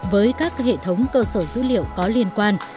với các hệ thống cơ sở dữ liệu có liên quan